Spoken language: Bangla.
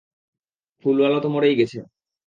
ফুলওয়া তো মরেই গেছে।